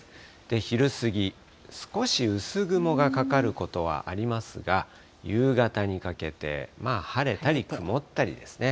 昼過ぎ、少し薄雲がかかることはありますが、夕方にかけて、まあ晴れたり曇ったりですね。